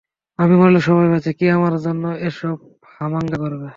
আমি মরলে সবাই বাঁচে, কে আমার জন্যে এসব হাঙ্গামা করবে?